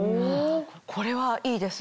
これはいいです